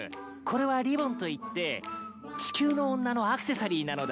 これはリボンといって地球の女のアクセサリーなのだよ。